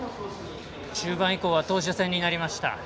中盤以降は投手戦になりました。